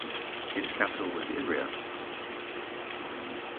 Its capital was Ivrea.